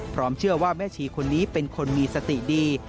เชื่อว่าแม่ชีคนนี้เป็นคนมีสติดี